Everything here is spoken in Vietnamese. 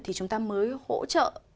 thì chúng ta mới hỗ trợ